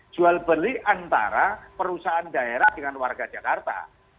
jual beli antara perusahaan daerah dengan warga jakarta